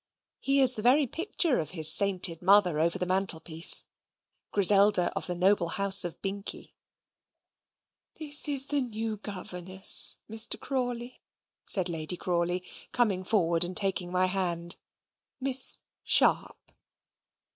He is the very picture of his sainted mother over the mantelpiece Griselda of the noble house of Binkie. "This is the new governess, Mr. Crawley," said Lady Crawley, coming forward and taking my hand. "Miss Sharp."